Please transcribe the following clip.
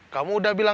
kamu udah berhasil